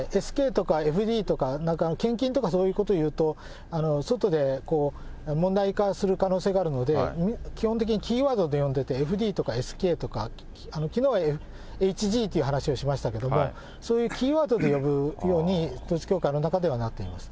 ＳＫとかＦＤとか、献金とかそういうことを言うと、外で問題化する可能性があるので、基本的にキーワードで呼んでて、ＦＤとかＳＫとか、きのうはＨＧという話をしましたけれども、そういうキーワードで呼ぶように、統一教会の中ではなっています。